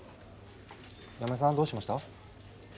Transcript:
山根さんどうしました？